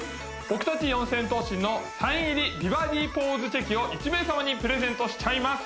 僕たち四千頭身のサイン入り美バディポーズチェキを１名様にプレゼントしちゃいます